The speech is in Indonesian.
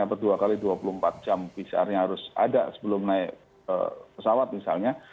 atau dua x dua puluh empat jam pcr nya harus ada sebelum naik pesawat misalnya